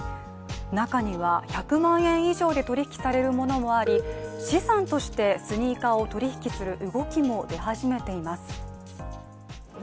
中には１００万円以上で取引されるものもあり資産としてスニーカーを取引する動きも出始めています。